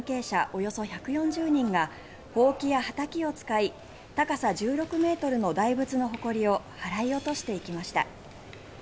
およそ１４０人がほうきやはたきを使い高さ１６ｍの大仏のほこりを払い落としていきました。